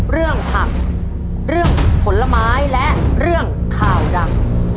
เรื่องผักเรื่องผลไม้และเรื่องข่าวดัง